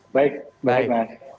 baik baik mas